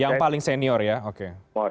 yang paling senior ya oke